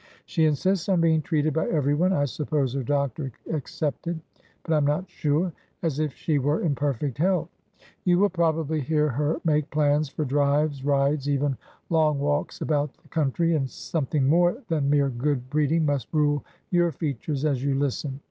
She insists on being treated by everyone (I suppose, her doctor excepted, but I am not sure) as if she were in perfect health. You will probably hear her make plans for drives, rides, even long walks about the country, and something more than mere good breeding must rule your features as you listen.